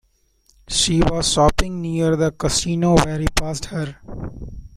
She was shopping near the casino when he passed her.